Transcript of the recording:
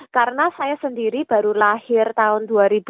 karena saya sendiri baru lahir tahun dua ribu tiga